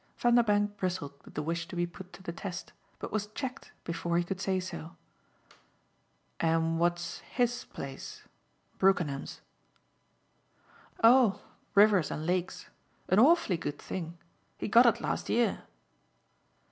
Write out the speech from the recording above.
Vanderbank bristled with the wish to be put to the test, but was checked before he could say so. "And what's HIS place Brookenham's?" "Oh Rivers and Lakes an awfully good thing. He got it last year."